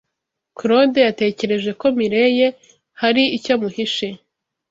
Claude yatekereje ko Mirelle hari icyo amuhishe.